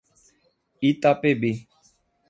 Itapebi